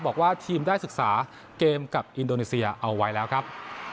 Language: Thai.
บอกว่าทีมได้ศึกษาเกมกับอินโดนีเซียเอาไว้แล้วครับ